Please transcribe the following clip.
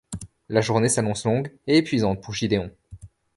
La journée s'annonce longue et épuisante pour Gideon.